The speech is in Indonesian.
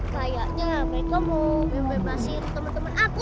kayaknya mereka mau membebasin teman teman aku